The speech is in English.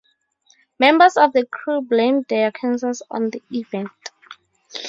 Members of the crew blamed their cancers on the event.